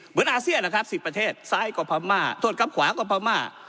อาเซียนนะครับ๑๐ประเทศซ้ายกว่าพม่าโทษครับขวาก็พม่า